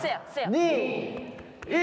２１。